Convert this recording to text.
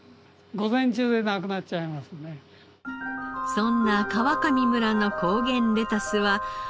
そんな川上村の高原レタスはみずみずしく。